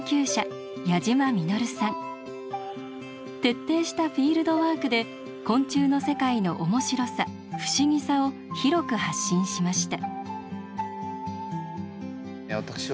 徹底したフィールドワークで昆虫の世界の面白さ不思議さを広く発信しました。